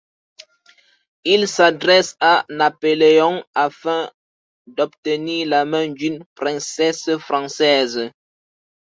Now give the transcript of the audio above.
Il s'adresse à Napoléon afin d'obtenir la main d'une princesse française.